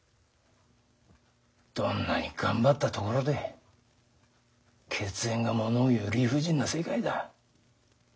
どんなに頑張ったところで血縁が物を言う理不尽な世界だ。